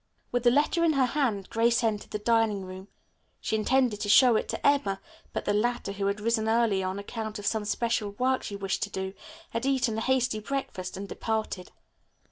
With the letter in her hand, Grace entered the dining room. She intended to show it to Emma, but the latter, who had risen early on account of some special work she wished to do, had eaten a hasty breakfast and departed.